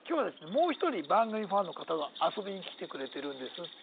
もう一人番組ファンの方が遊びに来てくれてるんですって。